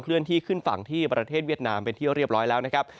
เลื่อนที่ขึ้นฝั่งที่ประเทศเวียดนามเป็นที่เรียบร้อยแล้วนะครับ